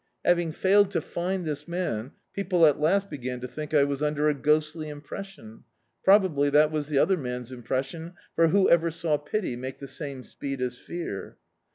Having failed to find this man, people at last began to think I was under a ghostly impres sion. Probably that was the other man's impression, for who ever saw Rty make the same speed as Fear?